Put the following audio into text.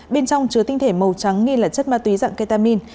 bên trong chứa tinh thể màu trắng nghi là chất ma túy dạng ketamin